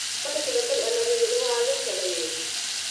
پټه صدقه د اللهﷻ غضب سړوي.